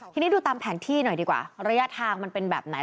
ทีนี้ดูตามแผนที่หน่อยดีกว่าระยะทางมันเป็นแบบไหน